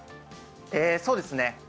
そうですね。